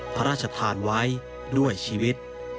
พระราชทานไว้ด้วยชีวิต